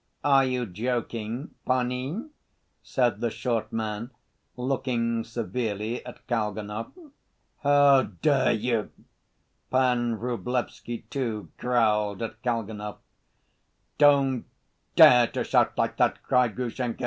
"Are you joking, panie?" said the short man, looking severely at Kalganov. "How dare you!" Pan Vrublevsky, too, growled at Kalganov. "Don't dare to shout like that," cried Grushenka.